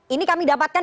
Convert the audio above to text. ini kami dapatkan